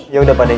yaudah pak deh